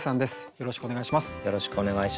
よろしくお願いします。